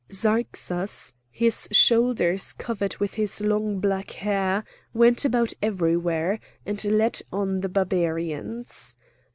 Zarxas, his shoulders covered with his long black hair, went about everywhere, and led on the Barbarians.